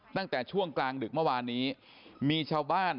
ตั้งแต่ช่วงกลางดึกเมื่อวานนี้มีชาวบ้าน